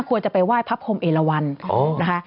ควรจะไปไหว้พระพรมเอลวันนะคะ